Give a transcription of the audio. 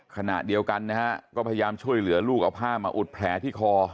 ขณะเดียวกันนะฮะก็พยายามช่วยเหลือลูกเอาผ้ามาอุดแผลที่คอ